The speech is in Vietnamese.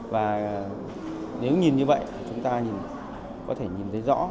và nếu nhìn như vậy chúng ta có thể nhìn thấy rõ